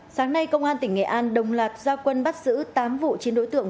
sáng nay công an tỉnh nghệ an đồng loạt gia quân bắt giữ tám vụ chín đối tượng